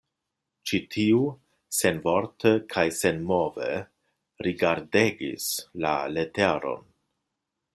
Ĉi tiu senvorte kaj senmove rigardegis la leteron.